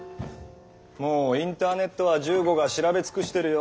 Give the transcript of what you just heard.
もうインターネットは十五が調べ尽くしてるよ。